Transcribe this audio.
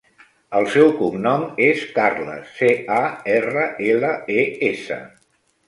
El seu cognom és Carles: ce, a, erra, ela, e, essa.